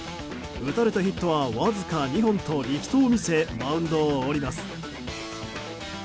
打たれたヒットはわずか２本と力投を見せマウンドを降ります。